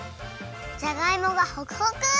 じゃがいもがホクホク！